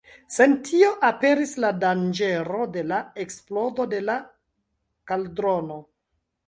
Sen tio aperis la danĝero de la eksplodo de la kaldrono.